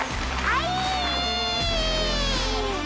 はい！